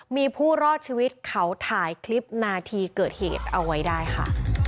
มีผู้รอดชีวิตเขาถ่ายคลิปนาทีเกิดเหตุเอาไว้ได้ค่ะ